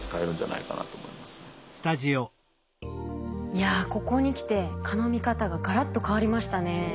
いやここに来て蚊の見方ががらっと変わりましたね。